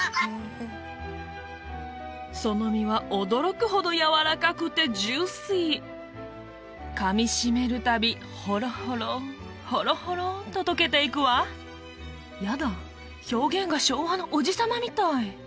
その身は驚くほどやわらかくてジューシー噛みしめる度ほろほろほろほろと解けていくわやだ表現が昭和のおじ様みたい